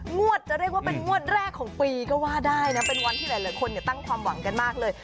งวดจะเรียกว่าเป็นงวดแรกของปีก็ว่าได้นะเป็นวันที่หลายคนตั้งความหวังกันมากเลย